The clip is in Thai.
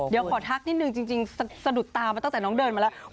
เดี๋ยวขอทักนิดนึงจริงวัตตะทักใส่น้องเดินมาแล้ว